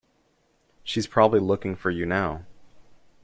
She's probably looking for you now.